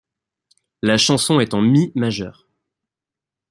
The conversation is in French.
La chanson est en Mi majeur.